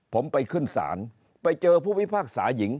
ผมไปขึ้นศาลไปเจอผู้พิพากษาหญิง